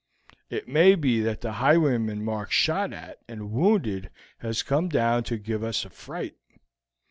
It may be that the highwayman Mark shot at and wounded has come down to give us a fright.